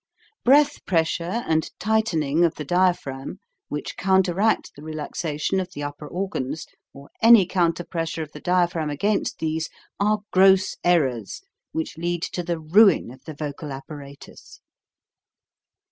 Breath pressure and tightening of the dia phragm, which counteract the relaxation of the upper organs, or any counter pressure of the diaphragm against these, are gross errors which lead to the ruin of the vocal apparatus.